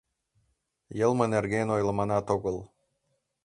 Йылме нерген ойлыманат огыл.